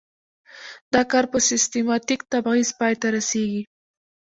دا کار په سیستماتیک تبعیض پای ته رسیږي.